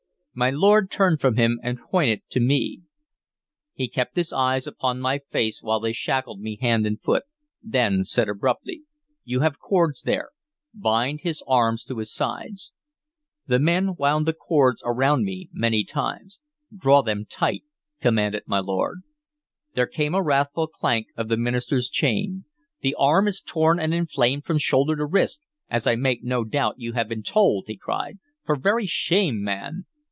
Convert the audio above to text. My lord turned from him, and pointed to me. He kept his eyes upon my face while they shackled me hand and foot; then said abruptly, "You have cords there: bind his arms to his sides." The men wound the cords around me many times. "Draw them tight," commanded my lord. There came a wrathful clank of the minister's chains. "The arm is torn and inflamed from shoulder to wrist, as I make no doubt you have been told!" he cried. "For very shame, man!"